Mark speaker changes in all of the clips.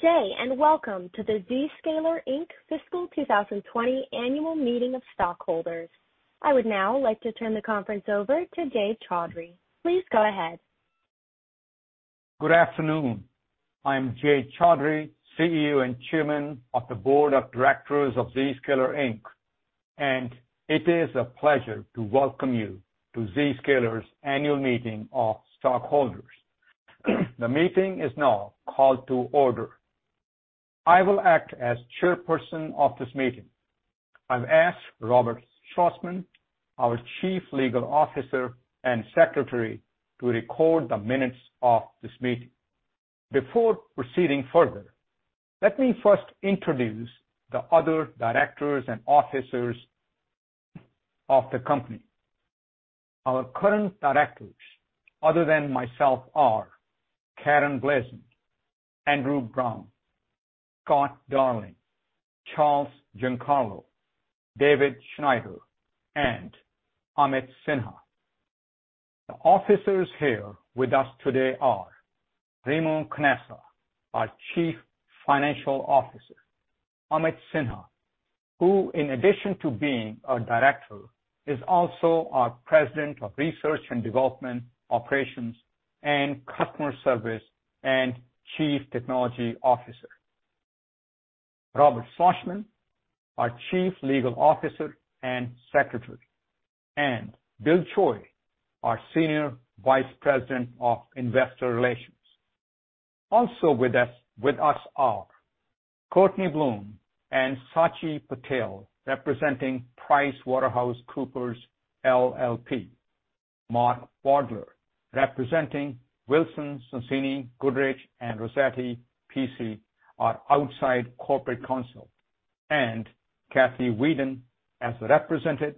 Speaker 1: Good day, and welcome to the Zscaler, Inc. Fiscal 2020 annual meeting of stockholders. I would now like to turn the conference over to Jay Chaudhry. Please go ahead.
Speaker 2: Good afternoon. I'm Jay Chaudhry, CEO and Chairman of the Board of Directors of Zscaler Inc. It is a pleasure to welcome you to Zscaler's annual meeting of stockholders. The meeting is now called to order. I will act as chairperson of this meeting. I've asked Robert Schlossman, our Chief Legal Officer and Secretary, to record the minutes of this meeting. Before proceeding further, let me first introduce the other directors and officers of the company. Our current directors, other than myself, are Karen Blasing, Andrew Brown, Scott Darling, Charles Giancarlo, David Schneider, and Amit Sinha. The officers here with us today are Remo Canessa, our Chief Financial Officer, Amit Sinha, who in addition to being our director, is also our President of Research and Development, Operations, and Customer Service, and Chief Technology Officer. Robert Schlossman, our Chief Legal Officer and Secretary, and Bill Choi, our Senior Vice President of Investor Relations. Also with us are Courtney Bloom and Sachi Patel, representing PricewaterhouseCoopers LLP. Mark Baudler, representing Wilson Sonsini Goodrich & Rosati, PC, our outside corporate counsel, and Kathy Weeden as a representative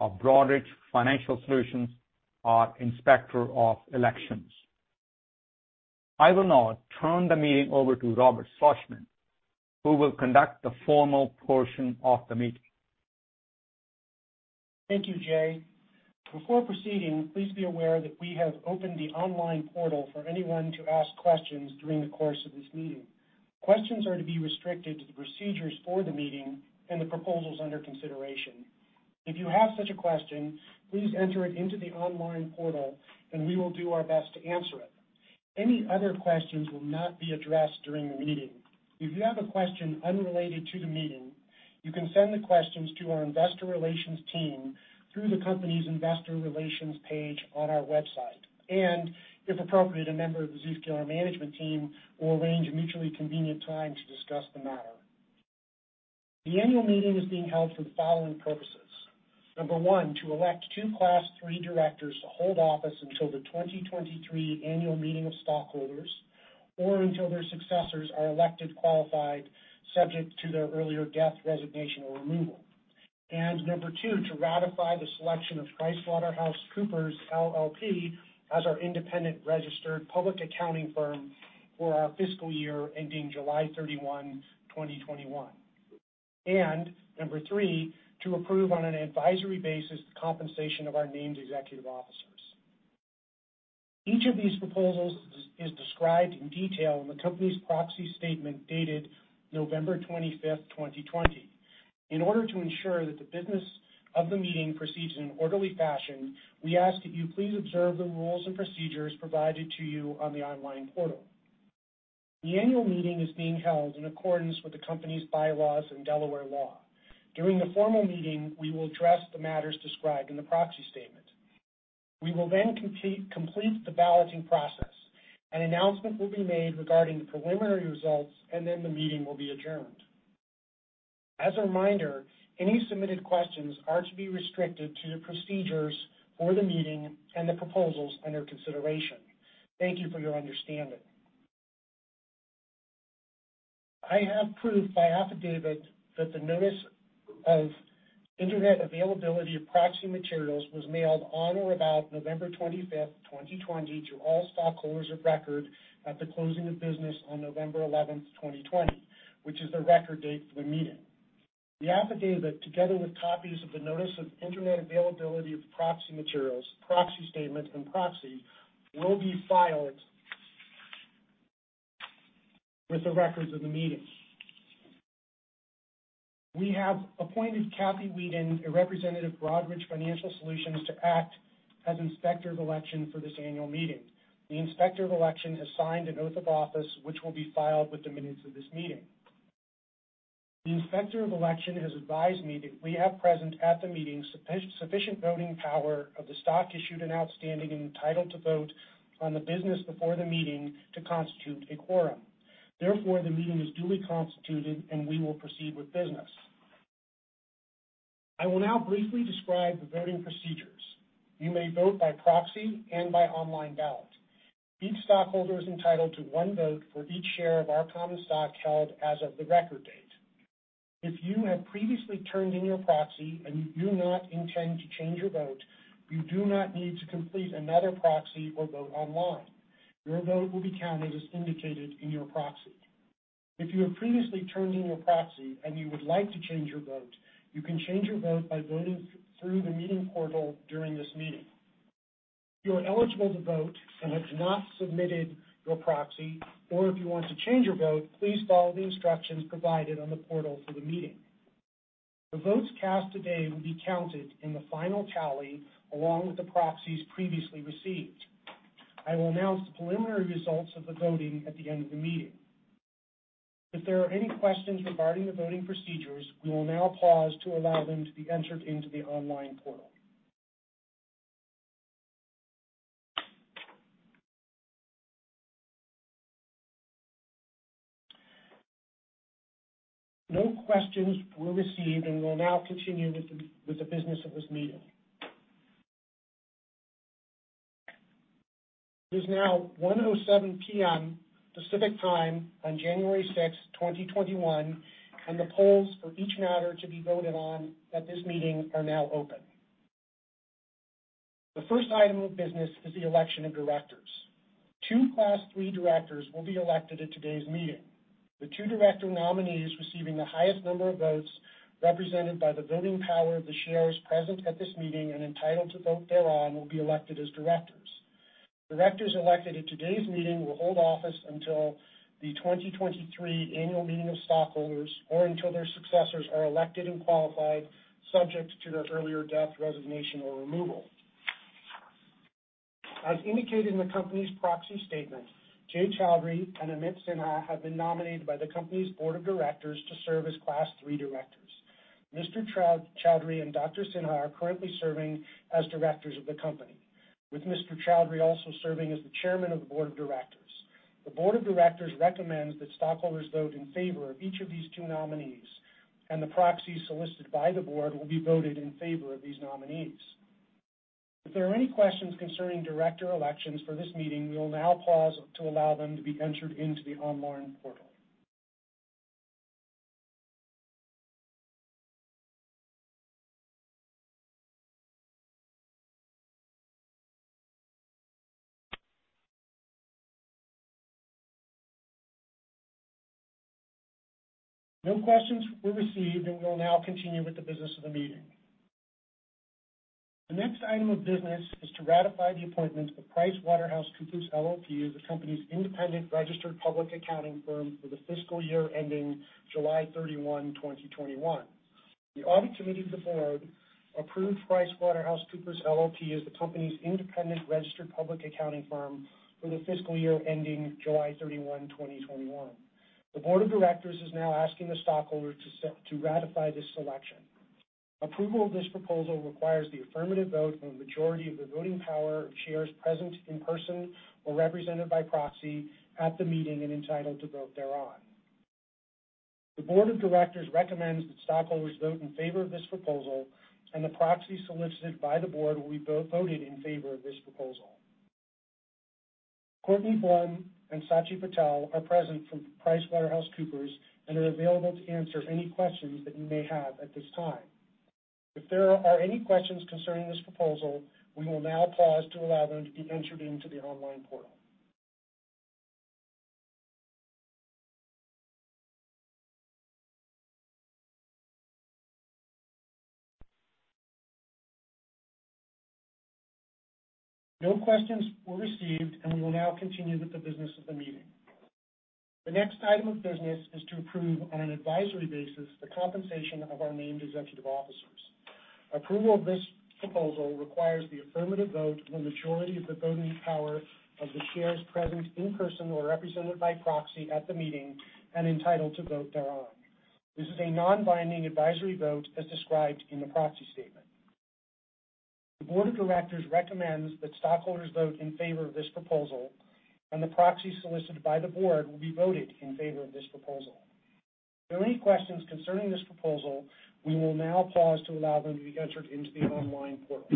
Speaker 2: of Broadridge Financial Solutions, our Inspector of Elections. I will now turn the meeting over to Robert Schlossman, who will conduct the formal portion of the meeting.
Speaker 3: Thank you, Jay. Before proceeding, please be aware that we have opened the online portal for anyone to ask questions during the course of this meeting. Questions are to be restricted to the procedures for the meeting and the proposals under consideration. If you have such a question, please enter it into the online portal, and we will do our best to answer it. Any other questions will not be addressed during the meeting. If you have a question unrelated to the meeting, you can send the questions to our investor relations team through the company's investor relations page on our website, and if appropriate, a member of the Zscaler management team will arrange a mutually convenient time to discuss the matter. The annual meeting is being held for the following purposes. Number one, to elect two Class III directors to hold office until the 2023 annual meeting of stockholders, or until their successors are elected, qualified, subject to their earlier death, resignation, or removal. Number two, to ratify the selection of PricewaterhouseCoopers LLP as our independent registered public accounting firm for our fiscal year ending July 31, 2021. Number three, to approve on an advisory basis the compensation of our named executive officers. Each of these proposals is described in detail in the company's proxy statement dated November 25th, 2020. In order to ensure that the business of the meeting proceeds in an orderly fashion, we ask that you please observe the rules and procedures provided to you on the online portal. The annual meeting is being held in accordance with the company's bylaws and Delaware law. During the formal meeting, we will address the matters described in the proxy statement. We will then complete the balloting process. An announcement will be made regarding the preliminary results, and then the meeting will be adjourned. As a reminder, any submitted questions are to be restricted to the procedures for the meeting and the proposals under consideration. Thank you for your understanding. I have proof by affidavit that the notice of Internet availability of proxy materials was mailed on or about November 25th, 2020 to all stockholders of record at the closing of business on November 11th, 2020, which is the record date for the meeting. The affidavit, together with copies of the notice of Internet availability of proxy materials, proxy statements, and proxy, will be filed with the records of the meeting. We have appointed Kathy Weeden, a representative of Broadridge Financial Solutions, to act as Inspector of Election for this annual meeting. The Inspector of Election has signed an oath of office, which will be filed with the minutes of this meeting. The Inspector of Election has advised me that we have present at the meeting sufficient voting power of the stock issued and outstanding entitled to vote on the business before the meeting to constitute a quorum. The meeting is duly constituted, and we will proceed with business. I will now briefly describe the voting procedures. You may vote by proxy and by online ballot. Each stockholder is entitled to one vote for each share of our common stock held as of the record date. If you have previously turned in your proxy and you do not intend to change your vote, you do not need to complete another proxy or vote online. Your vote will be counted as indicated in your proxy. If you have previously turned in your proxy and you would like to change your vote, you can change your vote by voting through the meeting portal during this meeting. If you are eligible to vote and have not submitted your proxy, or if you want to change your vote, please follow the instructions provided on the portal for the meeting. The votes cast today will be counted in the final tally, along with the proxies previously received. I will announce the preliminary results of the voting at the end of the meeting. If there are any questions regarding the voting procedures, we will now pause to allow them to be entered into the online portal. No questions were received. We'll now continue with the business of this meeting. It is now 1:07 P.M. Pacific Time on January 6th, 2021. The polls for each matter to be voted on at this meeting are now open. The first item of business is the election of directors. Two Class III directors will be elected at today's meeting. The two director nominees receiving the highest number of votes, represented by the voting power of the shares present at this meeting and entitled to vote thereon, will be elected as directors. Directors elected at today's meeting will hold office until the 2023 annual meeting of stockholders or until their successors are elected and qualified, subject to their earlier death, resignation, or removal. As indicated in the company's proxy statement, Jay Chaudhry and Amit Sinha have been nominated by the company's board of directors to serve as Class III directors. Mr. Chaudhry and Dr. Sinha are currently serving as directors of the company, with Mr. Chaudhry also serving as the Chairman of the board of directors. The board of directors recommends that stockholders vote in favor of each of these two nominees. The proxies solicited by the board will be voted in favor of these nominees. If there are any questions concerning director elections for this meeting, we will now pause to allow them to be entered into the online portal. No questions were received, and we will now continue with the business of the meeting. The next item of business is to ratify the appointment of PricewaterhouseCoopers LLP as the company's independent registered public accounting firm for the fiscal year ending July 31, 2021. The Audit Committee of the board approved PricewaterhouseCoopers LLP as the company's independent registered public accounting firm for the fiscal year ending July 31, 2021. The board of directors is now asking the stockholders to ratify this selection. Approval of this proposal requires the affirmative vote of a majority of the voting power of shares present in person or represented by proxy at the meeting and entitled to vote thereon. The board of directors recommends that stockholders vote in favor of this proposal, and the proxies solicited by the board will be voted in favor of this proposal. Courtney Bloom and Sachi Patel are present from PricewaterhouseCoopers and are available to answer any questions that you may have at this time. If there are any questions concerning this proposal, we will now pause to allow them to be entered into the online portal. No questions were received. We will now continue with the business of the meeting. The next item of business is to approve, on an advisory basis, the compensation of our named executive officers. Approval of this proposal requires the affirmative vote of the majority of the voting power of the shares present in person or represented by proxy at the meeting and entitled to vote thereon. This is a non-binding advisory vote as described in the proxy statement. The board of directors recommends that stockholders vote in favor of this proposal. The proxies solicited by the board will be voted in favor of this proposal. If there are any questions concerning this proposal, we will now pause to allow them to be entered into the online portal.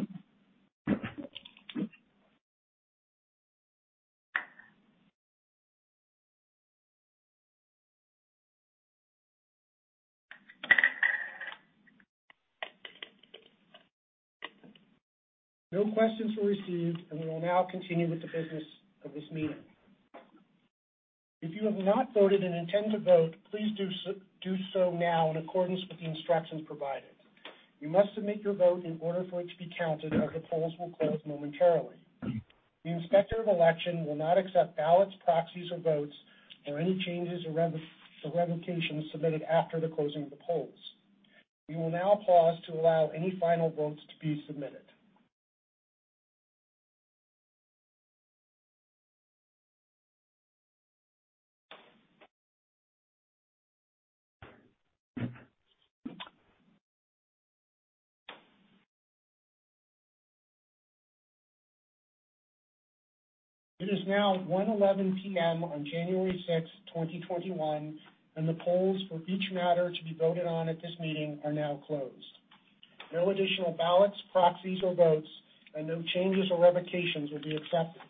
Speaker 3: No questions were received. We will now continue with the business of this meeting. If you have not voted and intend to vote, please do so now in accordance with the instructions provided. You must submit your vote in order for it to be counted, as the polls will close momentarily. The Inspector of Election will not accept ballots, proxies or votes or any changes or revocations submitted after the closing of the polls. We will now pause to allow any final votes to be submitted. It is now 1:11 P.M. on January 6th, 2021. The polls for each matter to be voted on at this meeting are now closed. No additional ballots, proxies or votes, and no changes or revocations will be accepted.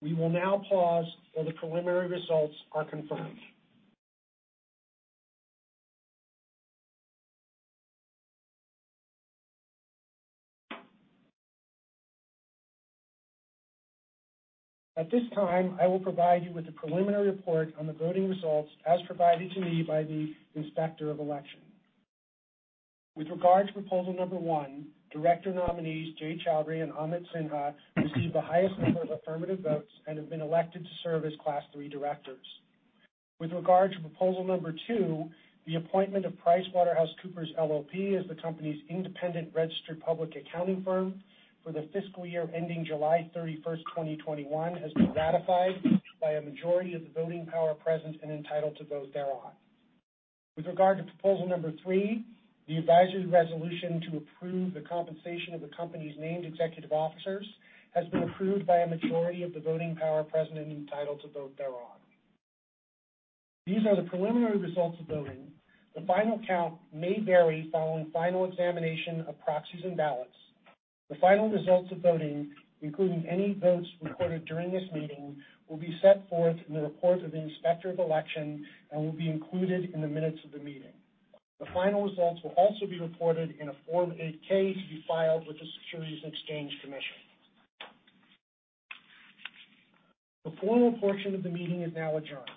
Speaker 3: We will now pause while the preliminary results are confirmed. At this time, I will provide you with the preliminary report on the voting results as provided to me by the Inspector of Election. With regard to proposal number one, director nominees, Jay Chaudhry and Amit Sinha received the highest number of affirmative votes and have been elected to serve as Class III directors. With regard to proposal number two, the appointment of PricewaterhouseCoopers LLP as the company's independent registered public accounting firm for the fiscal year ending July 31st, 2021 has been ratified by a majority of the voting power present and entitled to vote thereon. With regard to proposal number three, the advisory resolution to approve the compensation of the company's named executive officers has been approved by a majority of the voting power present and entitled to vote thereon. These are the preliminary results of voting. The final count may vary following final examination of proxies and ballots. The final results of voting, including any votes recorded during this meeting, will be set forth in the report of the Inspector of Election and will be included in the minutes of the meeting. The final results will also be reported in a Form 8-K to be filed with the Securities and Exchange Commission. The formal portion of the meeting is now adjourned.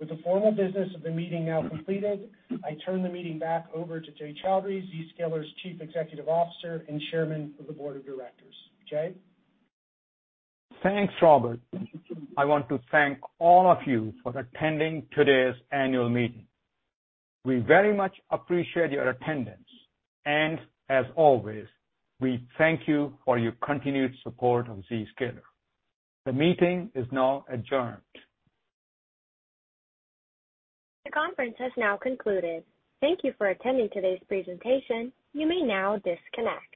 Speaker 3: With the formal business of the meeting now completed, I turn the meeting back over to Jay Chaudhry, Zscaler's Chief Executive Officer and Chairman of the Board of Directors. Jay?
Speaker 2: Thanks, Robert. I want to thank all of you for attending today's annual meeting. We very much appreciate your attendance, and as always, we thank you for your continued support of Zscaler. The meeting is now adjourned.
Speaker 1: The conference has now concluded. Thank you for attending today's presentation. You may now disconnect.